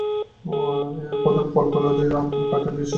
প্রধান ফল-ফলাদিব আম, কাঁঠাল, লিচু, কলা, পেঁপে, তাল।